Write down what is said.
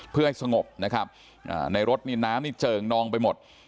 เพื่อให้สงบนะครับในรถนี่น้ำนี่เจิงนองไปหมด